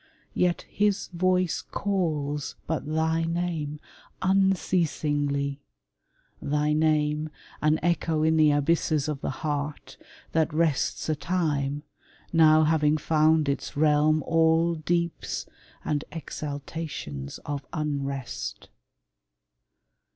Yet his voice Calls but thy name unceasingly — thy name, An echo in the abysses of the heart, That rests a time, now having found its realm All deeps and exaltations of unrest.